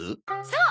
そう！